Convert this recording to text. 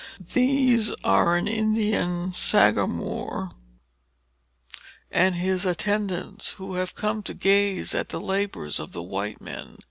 These are an Indian Sagamore and his attendants, who have come to gaze at the labors of the white men.